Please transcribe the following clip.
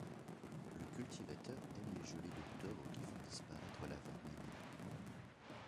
Le cultivateur aime les gelées d'octobre qui font disparaître la vermine.